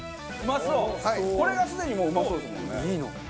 これがすでにもううまそうですもんね。